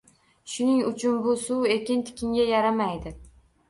Shuning uchun bu suv ekin-tikinga yaramaydi